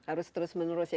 harus terus menerus ya